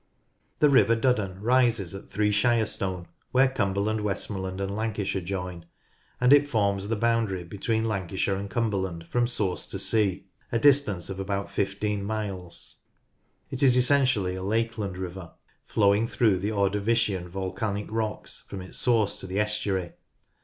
The river Duddon rises at Three Shire Stone where Cumberland, Westmorland, and Lancashire join, and it forms the boundary between Lancashire ami Cumberland from source to sea, a distance of about 15 miles. It is 4 2 52 NORTH LANCASHIRE essentially a Lakeland river, flowing through the Ordo vician volcanic rocks from its source to the estuary.